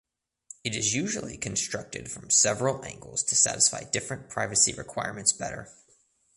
It is usually constructed from several angles to satisfy different privacy requirements better.